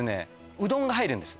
うどんが入るんです